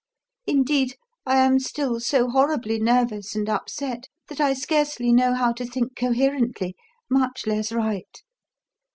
Indeed, I am still so horribly nervous and upset that I scarcely know how to think coherently much less write.